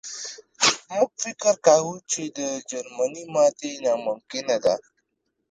موږ فکر کاوه چې د جرمني ماتې ناممکنه ده